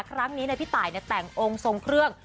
ครั้งนี้พี่ตายแต่งองค์ทรงเครื่อง